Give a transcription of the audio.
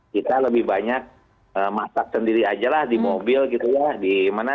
kita lebih banyak masak sendiri aja lah di mobil gitu ya